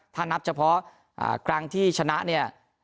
ถ้านับเฉพาะครั้งที่ชนะเนี่ย